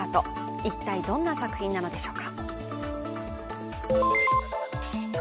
一体、どんな作品なのでしょうか。